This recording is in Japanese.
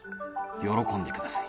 喜んでください。